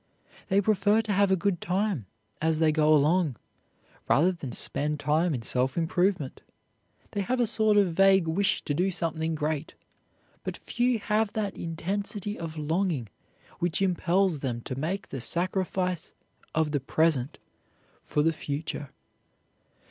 They prefer to have a good time as they go along, rather than spend time in self improvement. They have a sort of vague wish to do something great, but few have that intensity of longing which impels them to make the sacrifice of the present for the future.